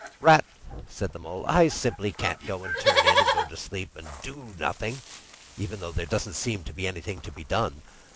"Rat," said the Mole, "I simply can't go and turn in, and go to sleep, and do nothing, even though there doesn't seem to be anything to be done.